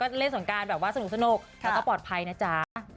เล่นสงการแบบว่าสนุกแล้วก็ปลอดภัยนะจ๊ะ